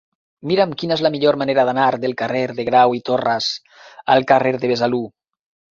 Mira'm quina és la millor manera d'anar del carrer de Grau i Torras al carrer de Besalú.